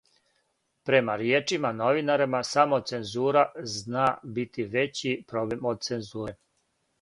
Према ријечима новинара, самоцензура зна бити већи проблем од цензуре.